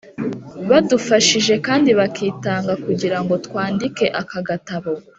badufashije kandi bakitanga kugira ngo twandike aka gatabo.